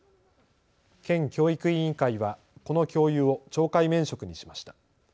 県教育委員会はこの教諭を懲戒免職にしました。